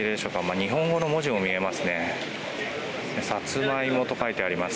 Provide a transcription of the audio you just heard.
日本語の文字も見えます。